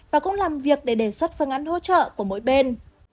và cũng làm việc để đề xuất phương án hỗ trợ của mỗi bên